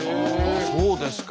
そうですか。